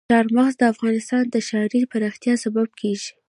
چار مغز د افغانستان د ښاري پراختیا سبب کېږي.